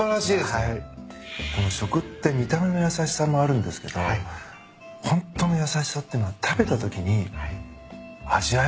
食って見た目の優しさもあるんですけどホントの優しさってのは食べたときに味わえるんだなって。